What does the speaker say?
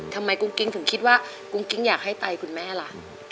กุ้งกิ๊งถึงคิดว่ากุ้งกิ๊งอยากให้ไตคุณแม่ล่ะ